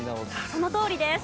そのとおりです。